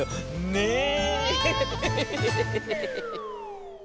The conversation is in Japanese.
ねえ。